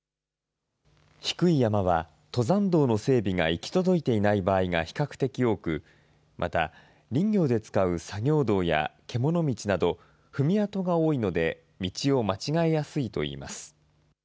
低い山は登山道の整備が行き届いていない場合が比較的多く、また林業で使う作業道や獣道など、踏み跡が多いので、道を間違えやすいといいます。